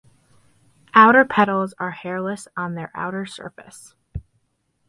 The outer petals are hairless on their outer surface.